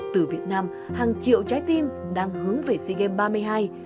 từ việt nam hàng triệu trái tim đang hướng về sea games ba mươi hai